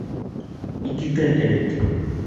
Ике көн элек